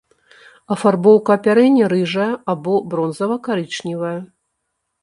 Афарбоўка апярэння рыжая або бронзава-карычневая.